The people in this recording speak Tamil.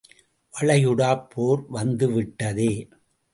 வளைகுடாப் போர் வந்துவிட்டதே!